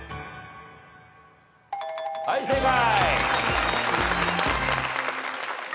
はい正解！